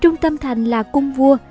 trung tâm thành là cung vua